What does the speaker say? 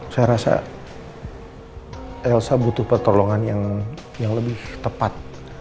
saya rasa elsa butuh pertolongan yang lebih tepat